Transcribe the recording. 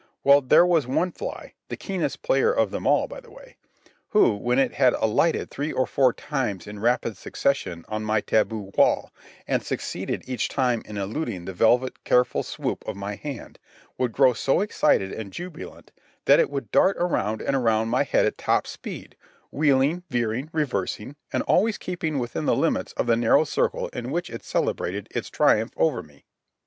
Well, there was one fly—the keenest player of them all, by the way—who, when it had alighted three or four times in rapid succession on my taboo wall and succeeded each time in eluding the velvet careful swoop of my hand, would grow so excited and jubilant that it would dart around and around my head at top speed, wheeling, veering, reversing, and always keeping within the limits of the narrow circle in which it celebrated its triumph over me.